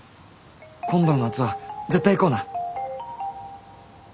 今度の夏は絶対行こうな。